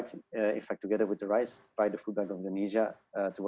kami akan melakukan pemberian dengan cara yang diperhatikan